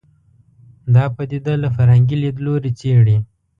دا پدیده له فرهنګي لید لوري څېړي